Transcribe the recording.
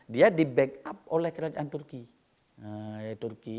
dia di backup oleh kerajaan turki